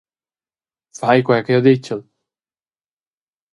Fai quei che jeu ditgel.